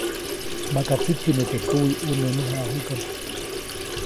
Maka tsikiʼne teʼ tuwiʼune mäjaʼajuʼkam.